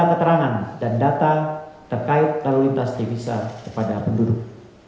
keterangan dan data terkait lalu lintas devisa kepada penduduk